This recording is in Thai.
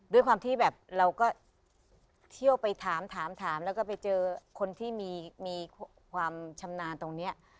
ด้วยความที่แบบเราก็เที่ยวไปถามถามแล้วก็ไปเจอคนที่มีความชำนาญตรงนี้